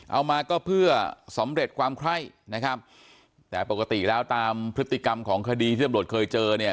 เอามาก็เพื่อสำเร็จความไคร้นะครับแต่ปกติแล้วตามพฤติกรรมของคดีที่ตำรวจเคยเจอเนี่ย